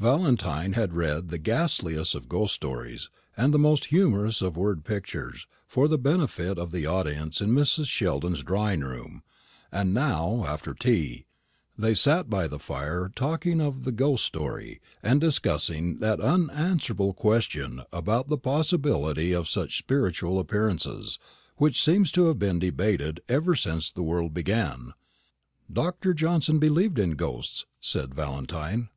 Valentine had read the ghastliest of ghost stories, and the most humorous of word pictures, for the benefit of the audience in Mrs. Sheldon's drawing room; and now, after tea, they sat by the fire talking of the ghost story, and discussing that unanswerable question about the possibility of such spiritual appearances, which seems to have been debated ever since the world began. "Dr. Johnson believed in ghosts," said Valentine.